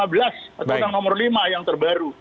atau orang nomor lima yang terbaru